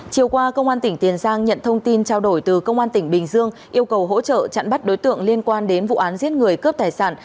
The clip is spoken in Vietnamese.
chiều qua công an tỉnh tiền giang nhận thông tin trao đổi từ công an tỉnh bình dương yêu cầu hỗ trợ chặn bắt đối tượng liên quan đến vụ án giết người cướp tài sản